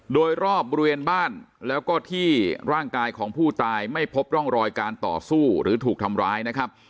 โดยรอบบริเวณบ้านแล้วก็ที่ร่างกายของผู้ตายไม่พบร่องรอยการต่อสู้หรือถูกทำร้ายนะครับ